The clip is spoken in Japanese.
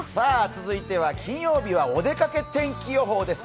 続いては金曜日はお出かけ天気予報です。